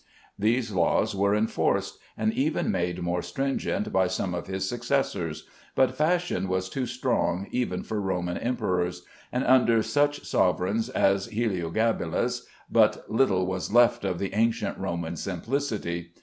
These laws were enforced and even made more stringent by some of his successors, but fashion was too strong even for Roman emperors; and under such sovereigns as Heliogabalus, but little was left of the ancient Roman simplicity.